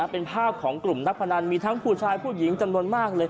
เป็นภาพของกลุ่มนักพนันมีทั้งผู้ชายผู้หญิงจำนวนมากเลย